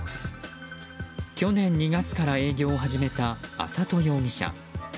去年２月から営業を始めた安里容疑者。